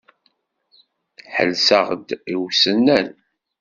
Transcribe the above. Ḥelseɣ-d i usennan.